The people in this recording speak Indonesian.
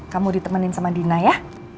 kamu ditemenin sama dina ya